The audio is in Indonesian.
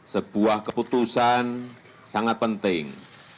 sebuah keputusan sangat penting